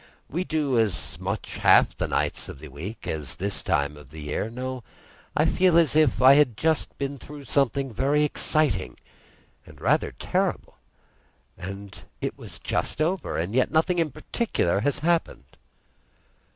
We do as much half the nights of the week, at this time of the year. No; I feel as if I had been through something very exciting and rather terrible, and it was just over; and yet nothing particular has happened."